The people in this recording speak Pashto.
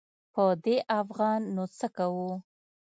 په دې افغان نو څه کوو.